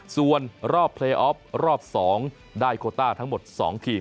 ส่วนรอบเพลย์ออฟรอบ๒ได้โคต้าทั้งหมด๒ทีม